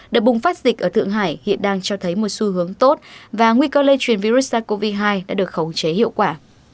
đợt bùng phát dịch ở thượng hải hiện đang cho thấy một xu hướng tốt và nguy cơ lây truyền virus sars cov hai đã được khống chế hiệu quả